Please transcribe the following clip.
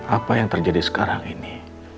apa yang terjadi sekarang ini